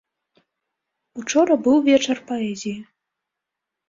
Учора быў вечар паэзіі.